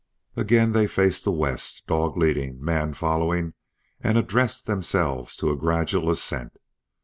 Again they faced the west, dog leading, man following, and addressed themselves to a gradual ascent.